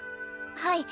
はい。